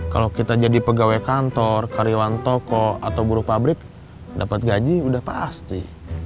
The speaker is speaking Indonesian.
kalau kita jadi pegawai kantor karyawan toko atau buruh pabrik dapat gaji udah pasti